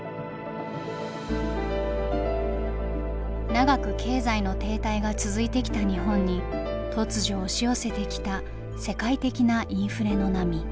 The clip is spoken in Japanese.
長く経済の停滞が続いてきた日本に突如押し寄せてきた世界的なインフレの波。